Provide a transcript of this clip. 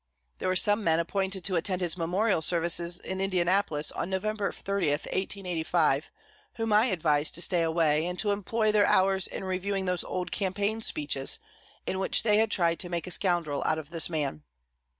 There were some men appointed to attend his memorial services in Indianapolis on November 30, 1885, whom I advised to stay away, and to employ their hours in reviewing those old campaign speeches, in which they had tried to make a scoundrel out of this man.